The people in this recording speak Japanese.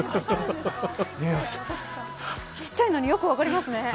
ちっちゃいのによく分かりますね。